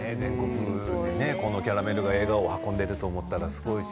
このキャラメルが笑顔を運んでいると思ったら少し。